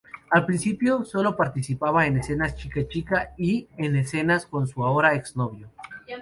Al principio sólo participaba en escenas chica-chica y en escenas con su ahora ex-novio.